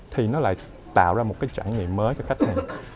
thì nó lại tạo ra một cái trải nghiệm mới cho khách hàng